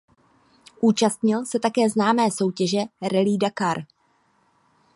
Účastnil se také známé soutěže Rallye Dakar.